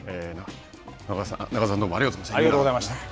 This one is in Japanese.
中澤さんどうもありがとうございました。